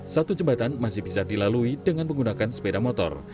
satu jembatan masih bisa dilalui dengan menggunakan sepeda motor